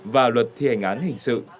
và luật thi hành án hình sự